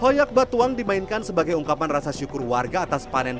hoyak batuang dimainkan sebagai ungkapan rasa syukur warga atas panen